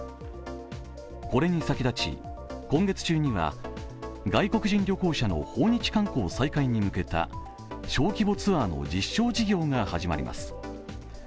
これに先立ち、今月中には外国人旅行者の訪日観光再開に向けた小規模ツアーの実証事業が始まります。